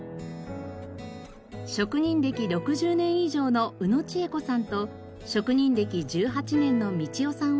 職人歴６０年以上の宇野千榮子さんと職人歴１８年の三千代さん